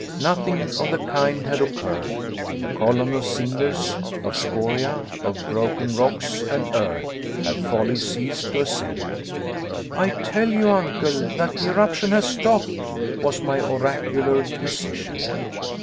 Nothing of the kind had occurred. The column of cinders, of scoriae, of broken rocks and earth, had wholly ceased to ascend. "I tell you, Uncle, that the eruption has stopped," was my oracular decision.